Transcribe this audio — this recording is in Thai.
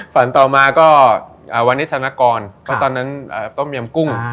ฝันต่อมาก็วันนี้ธนกรตอนนั้นต้มยำกุ้ง